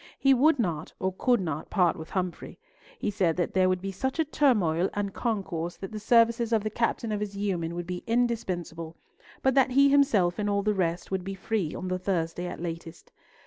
He would not, or could not, part with Humfrey. He said that there would be such a turmoil and concourse that the services of the captain of his yeomen would be indispensable, but that he himself, and all the rest, would be free on the Thursday at latest.